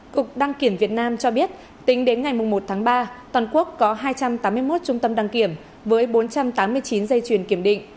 cục đăng kiểm việt nam cho biết tính đến ngày một tháng ba toàn quốc có hai trăm tám mươi một trung tâm đăng kiểm với bốn trăm tám mươi chín dây chuyền kiểm định